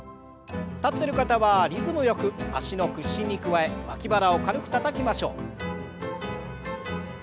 立ってる方はリズムよく脚の屈伸に加え脇腹を軽くたたきましょう。